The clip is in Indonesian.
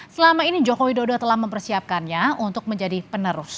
selama ini joko widodo telah mempersiapkannya untuk menjadi penerus